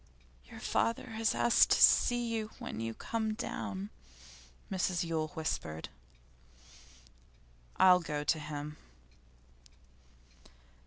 'Your father has asked to see you when you come down,' Mrs Yule whispered. 'I'll go to him.